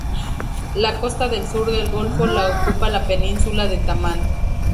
La costa del sur del golfo la ocupa la península de Tamán.